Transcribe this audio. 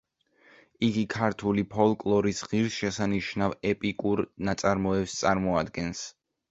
იგი ქართული ფოლკლორის ღირსშესანიშნავ ეპიკურ ნაწარმოებს წარმოადგენს.